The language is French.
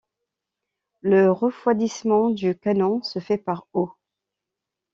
Le refroidissement du canon se fait par eau.